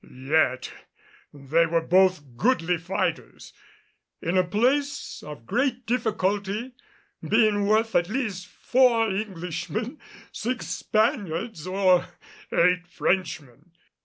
Yet they were both goodly fighters in a place of great difficulty being worth at the least four Englishmen, six Spaniards or eight Frenchmen.